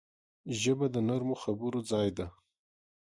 ژبه د نرمو خبرو ځای ده